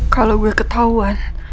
kalau gue ketauan